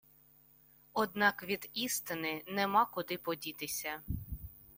Однак від істини нема куди подітися